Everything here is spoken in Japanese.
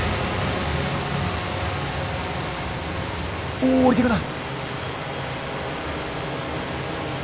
おお降りてくな。